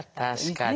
確かにな。